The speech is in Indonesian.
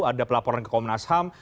ada pelaporan ke komnas ham